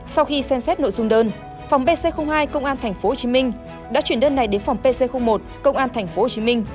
sau khi xem xét nội dung đơn phòng bc hai công an tp hcm đã chuyển đơn này đến phòng pc một công an tp hcm